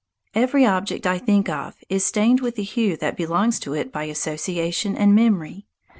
Every object I think of is stained with the hue that belongs to it by association and memory.